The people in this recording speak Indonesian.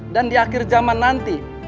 dan di akhir zaman nanti